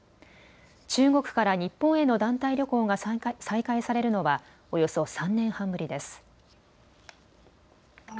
中国から日本への団体旅行が再開されるのはおよそ３年半ぶりです。